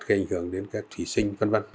gây ảnh hưởng đến thủy sinh v v